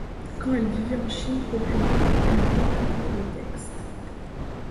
Quand elle vivait en Chine populaire, elle n'a pas publié de texte.